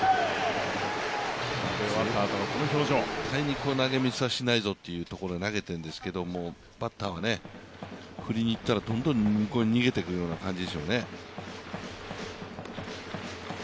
絶対に投げミスはしないぞというところに投げてるんですけれども、バッターは、振りにいったら、どんどん向こうに逃げていくような感じでしょうね。